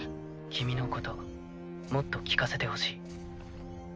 君のこともっと聞かせてほしい。